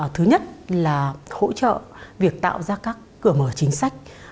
thứ nhất là hỗ trợ việc tạo ra các cửa mở chính sách